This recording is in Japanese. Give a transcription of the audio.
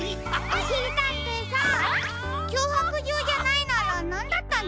おしりたんていさんきょうはくじょうじゃないならなんだったんですか？